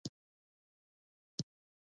د وطن د پرمختګ لپاره زدهکړه اړینه ده.